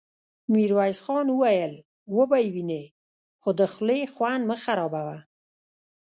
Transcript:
ميرويس خان وويل: وبه يې وينې، خو د خولې خوند مه خرابوه!